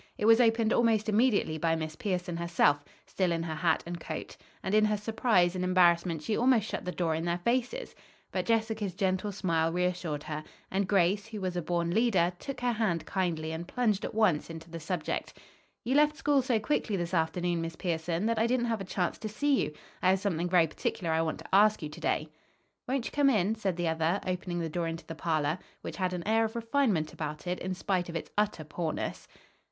It was opened almost immediately by Miss Pierson herself, still in her hat and coat; and in her surprise and embarrassment she almost shut the door in their faces. But Jessica's gentle smile reassured her, and Grace, who was a born leader, took her hand kindly and plunged at once into the subject. "You left school so quickly this afternoon, Miss Pierson, that I didn't have a chance to see you. I have something very particular I want to ask you to day." "Won't you come in?" said the other, opening the door into the parlor, which had an air of refinement about it in spite of its utter poorness.